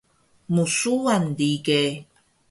Msuwan dige